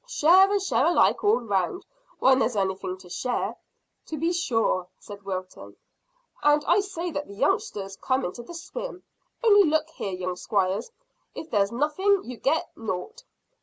"Share and share alike all round, when there's anything to share." "To be sure," said Wilton. "And I say that the youngsters come into the swim; only look here, young squires, if there's nothing you get nought."